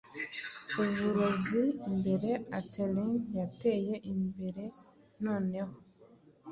Uburozi imbere Atheling yateye imbere noneho